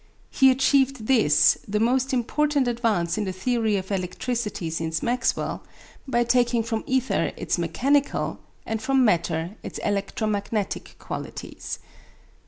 He achieved this, the most important advance in the theory of electricity since Maxwell, by taking from ether its mechanical, and from matter its electromagnetic qualities.